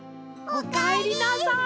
おかえりなさい！